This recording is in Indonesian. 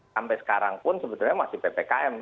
sampai sekarang pun sebetulnya masih ppkm